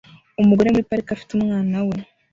Umugore muri parike afite umwana we